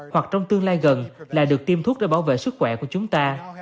hoặc trong tương lai gần là được tiêm thuốc để bảo vệ sức khỏe của chúng ta